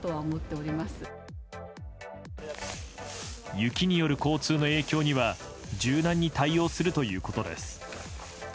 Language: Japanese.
雪による交通の影響は柔軟に対応するということです。